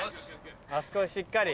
あそこでしっかり。